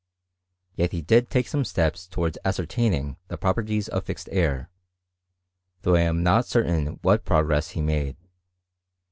Yet he did take seme steps towards ascertaining the properties of fixed air; though I am not certain what progress he made.